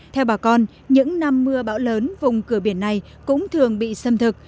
theo bà con những năm mưa bão lớn vùng cửa biển này cũng thường bị xâm thực